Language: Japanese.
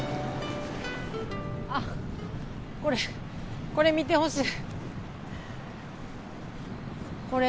あっこれこれ見てほしい。